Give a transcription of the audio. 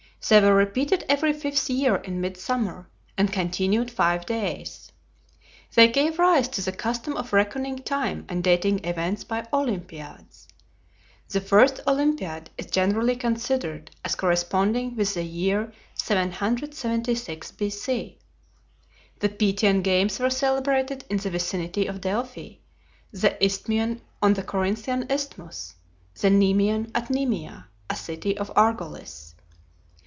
They were repeated every fifth year in mid summer, and continued five days. They gave rise to the custom of reckoning time and dating events by Olympiads. The first Olympiad is generally considered as corresponding with the year 776 B.C. The Pythian games were celebrated in the vicinity of Delphi, the Isthmian on the Corinthian isthmus, the Nemean at Nemea, a city of Argolis.